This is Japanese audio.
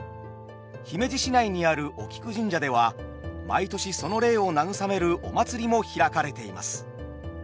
姫路市内にあるお菊神社では毎年その霊を慰めるお祭りも開かれています。